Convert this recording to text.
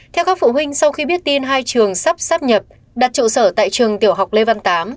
theo các phụ huynh sau khi biết tin hai trường sắp sắp nhập đặt trụ sở tại trường tiểu học lê văn tám